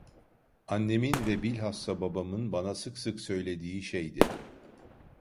Annemin ve bilhassa babamın bana sık sık söylediği şeydi.